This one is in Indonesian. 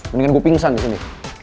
mendingan gue pingsan disini